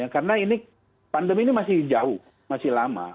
karena ini pandemi ini masih jauh masih lama